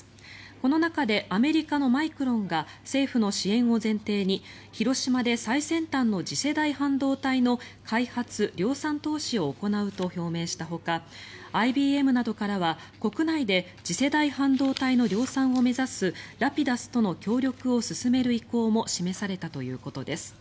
この中でアメリカのマイクロンが政府の支援を前提に、広島で最先端の次世代半導体の開発・量産投資を行うと発表したほかＩＢＭなどからは、国内で次世代半導体の量産を目指すラピダスとの協力を進める意向も示されたということです。